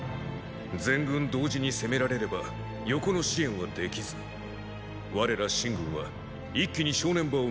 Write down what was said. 全軍同時に攻められれば横の支援はできず我ら秦軍は一気に正念場を迎えましょう。